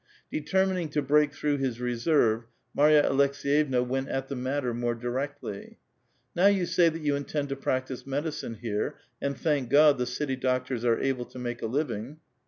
Determining to break through his reserve, Marva Aleks^vevna went at the matter more diroctlv. "Now you say that you intend to practise medicine here, and, thank Godj the city doctors are able to make a living